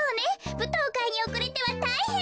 ぶとうかいにおくれてはたいへん。